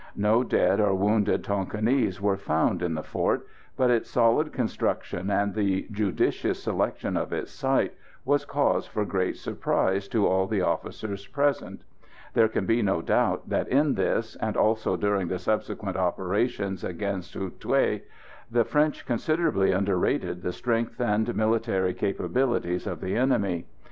No dead or wounded Tonquinese were found in the fort, but its solid construction and the judicious selection of its site was cause for great surprise to all the officers present. There can be no doubt that in this, and also during the subsequent operations against Hou Thué, the French considerably underrated the strength and military capabilities of the enemy.